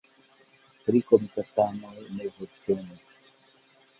Tri komitatanoj ne voĉdonis.